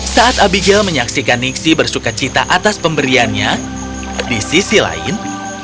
saat abijil menyaksikan nixi bersuka cita atas pemberiannya di sisi lain